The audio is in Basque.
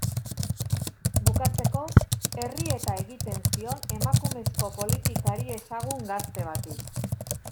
Bukatzeko, errieta egiten zion emakumezko politikari ezagun gazte bati.